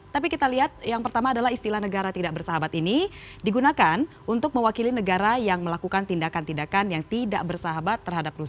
tapi kita lihat yang pertama adalah istilah negara tidak bersahabat ini digunakan untuk mewakili negara yang melakukan tindakan tindakan yang tidak bersahabat terhadap rusia